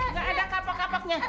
nggak ada kapok kapoknya